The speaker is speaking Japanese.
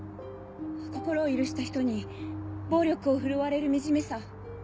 心を許した人に暴力を振るわれる惨めさ。